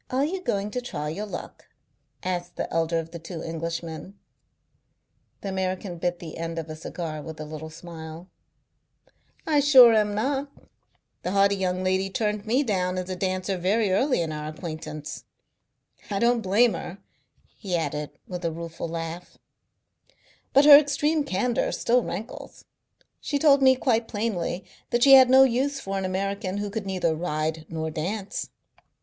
"Are you going to try your luck?" asked the elder of the two Englishmen. The American bit the end off a cigar with a little smile. "I sure am not. The haughty young lady turned me down as a dancer very early in our acquaintance. I don't blame her," he added, with a rueful laugh, "but her extreme candour still rankles. She told me quite plainly that she had no use for an American who could neither ride nor dance.